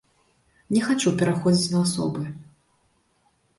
Не хачу пераходзіць на асобы.